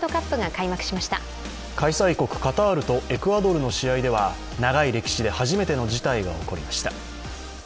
開催国カタールとエクアドルの試合では、長い歴史で初めての事態が起こりました。